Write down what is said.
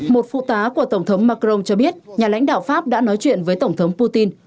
một phụ tá của tổng thống macron cho biết nhà lãnh đạo pháp đã nói chuyện với tổng thống putin